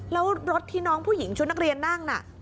แล้วรถที่น้องผู้หญิงชุดนักเรียนนั่งน่ะ